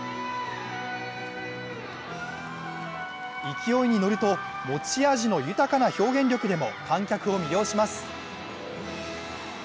勢いに乗ると、持ち味の豊かな表現力でも観客を魅了します。